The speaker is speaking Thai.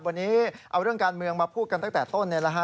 วันนี้เอาเรื่องการเมืองมาพูดกันตั้งแต่ต้น